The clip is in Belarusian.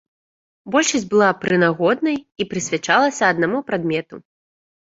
Большасць была прынагоднай і прысвячалася аднаму прадмету.